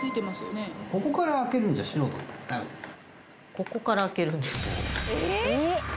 ここから開けるんです